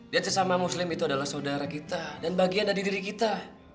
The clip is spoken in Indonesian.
dan sesama muslim itu adalah saudara kita dan bagian dari diri kita